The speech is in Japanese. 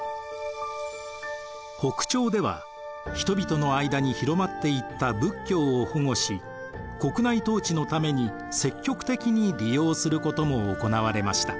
北朝では人々の間に広まっていった仏教を保護し国内統治のために積極的に利用することも行われました。